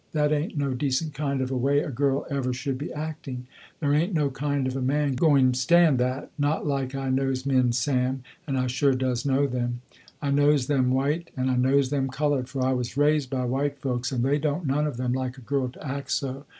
That ain't no decent kind of a way a girl ever should be acting. There ain't no kind of a man going stand that, not like I knows men Sam, and I sure does know them. I knows them white and I knows them colored, for I was raised by white folks, and they don't none of them like a girl to act so.